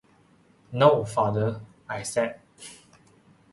"No, Father," I said.